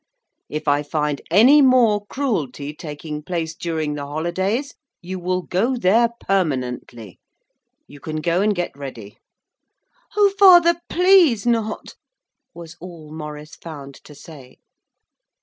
If I find any more cruelty taking place during the holidays you will go there permanently. You can go and get ready.' 'Oh, father, please not,' was all Maurice found to say.